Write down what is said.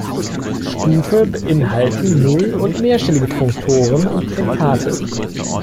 Stufe beinhalten null- und mehrstellige Funktoren und Prädikate.